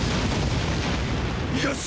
よし！！